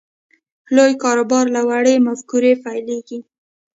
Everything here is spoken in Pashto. لوی کاروبار له وړې مفکورې پیلېږي